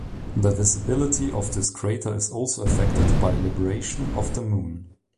The visibility of this crater is also affected by libration of the Moon.